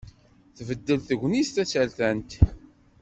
Tbeddel tegnit tasertant.